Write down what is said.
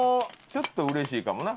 ちょっと嬉しいかもな。